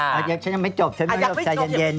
เขาบอกว่าฉันยังไม่จบฉันไม่จบใจเย็น